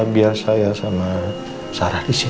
biar saya sama sarah disini